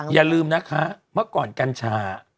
อย่าลืมนะคะเมื่อก่อนกัญชา